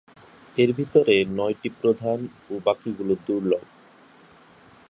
এর ভেতরে নয়টি প্রধান ও বাকিগুলো দুর্লভ।